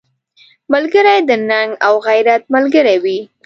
ملګری د ننګ او غیرت ملګری وي